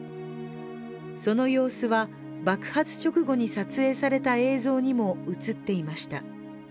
その様子は、爆発直後に撮影された映像にも映っていました。